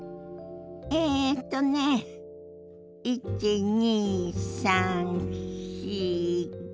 えっとね１２３４５フフフフ。